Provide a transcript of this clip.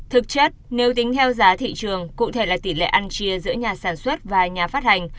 thực chất nếu tính theo giá thị trường cụ thể là tỷ lệ ăn chia giữa nhà sản xuất và nhà phát hành